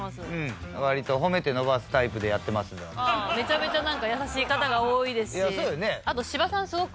めちゃめちゃ優しい方が多いですし。